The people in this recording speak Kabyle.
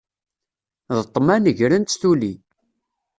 D ṭṭman gren-tt tuli.